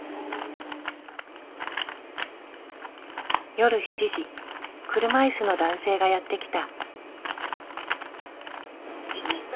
夜７時車いすの男性がやって来た。